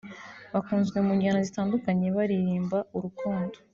bakunzwe munjyana zitandukanye baririmba urukundo